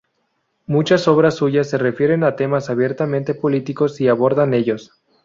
Muchas obras suyas se refieren a temas abiertamente políticos y abordan ellos.